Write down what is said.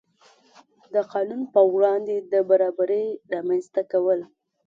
د قانون په وړاندې د برابرۍ رامنځته کول.